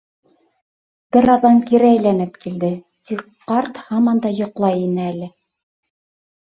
Бер аҙҙан кире әйләнеп килде, тик ҡарт һаман да йоҡлай ине әле.